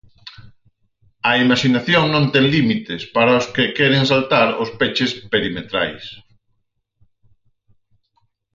A imaxinación non ten límites para os que queren saltar os peches perimetrais.